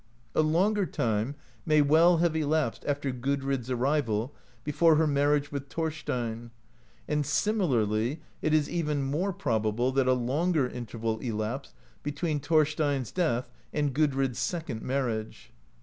A longer time may well have elapsed after Gudrid's arrival before her marriage with Thorstein, and similarly it is even more probable that a longer interval elapsed between Thor stein's death and Gudrid's second marriage.